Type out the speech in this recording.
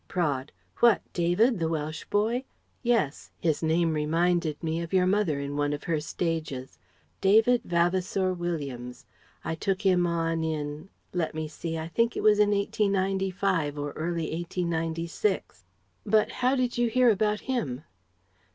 Praed: "What, David, the Welsh boy? Yes. His name reminded me of your mother in one of her stages. David Vavasour Williams. I took him on in let me see? I think it was in 1895 or early 1896. But how did you hear about him?"